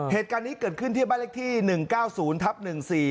เหตุการณ์นี้เกิดขึ้นที่บ้านเล็กที่หนึ่งเก้าศูนย์ทัพหนึ่งสี่